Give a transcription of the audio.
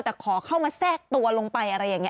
แต่ขอเข้ามาแทรกตัวลงไปอะไรอย่างนี้